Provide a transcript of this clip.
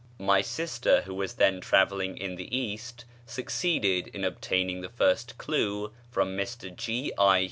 My sister, who was then travelling in the East, succeeded in obtaining the first clue from Mr G. L.